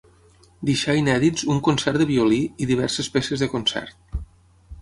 Deixà inèdits un concert de violí, i diverses peces de concert.